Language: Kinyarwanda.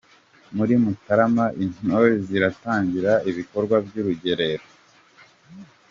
Muri Mutarama intore ziratangira ibikorwa by’urugerero